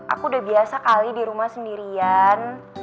aku udah biasa kali dirumah sendirian